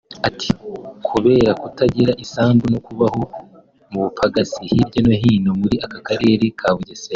Ati ”Kubera kutagira isambu no kubaho mu bupagasi hirya no hino muri aka karere ka Bugesera